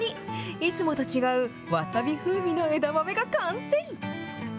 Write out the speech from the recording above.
いつもと違うわさび風味の枝豆が完成。